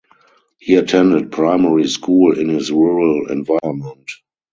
He attended primary school in his rural environment.